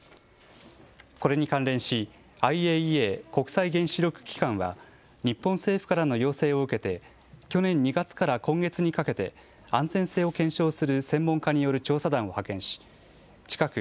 これに関連しＩＡＥＡ・国際原子力機関は日本政府からの要請を受けて去年２月から今月にかけて安全性を検証する専門家による調査団を派遣し近く